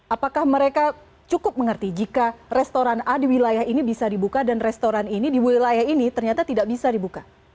apakah mereka cukup mengerti jika restoran a di wilayah ini bisa dibuka dan restoran ini di wilayah ini ternyata tidak bisa dibuka